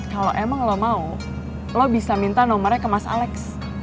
kalau emang lo mau lo bisa minta nomornya ke mas alex